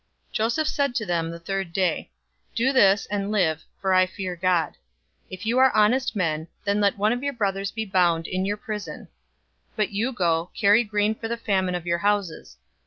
042:018 Joseph said to them the third day, "Do this, and live, for I fear God. 042:019 If you are honest men, then let one of your brothers be bound in your prison; but you go, carry grain for the famine of your houses.